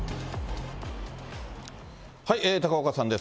高岡さんです。